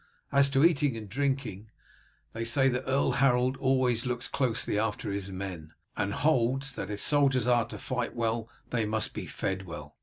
As to eating and drinking, they say that Earl Harold always looks closely after his men, and holds that if soldiers are to fight well they must be fed well.